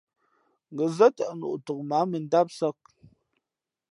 Ngα̌ zά tαʼ noʼ tok mα ǎ mʉndámsāk.